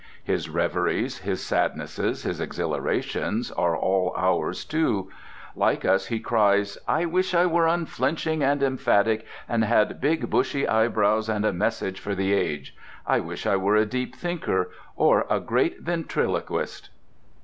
His reveries, his sadnesses, his exhilarations, are all ours, too. Like us he cries, "I wish I were unflinching and emphatic, and had big bushy eyebrows and a Message for the Age. I wish I were a deep Thinker, or a great Ventriloquist."